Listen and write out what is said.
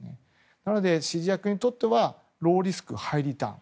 なので指示役にとってはローリスクハイリターン。